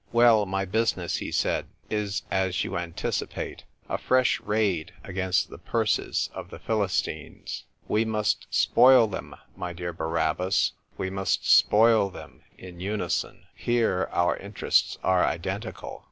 " Well, my business," he said, "is, as you anticipate, a fresh raid against the purses of the Philistines. We must spoil them, my dear Barabbas ; we must spoil them, in unison. Here, our interests are identical.